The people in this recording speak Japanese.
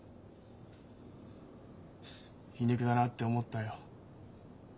皮肉だなって思ったよ。